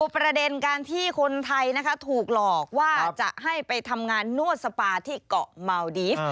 ประเด็นการที่คนไทยนะคะถูกหลอกว่าจะให้ไปทำงานนวดสปาที่เกาะเมาดีฟ